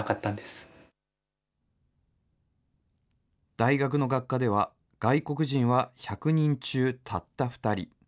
大学の学科では外国人は１００人中たった２人。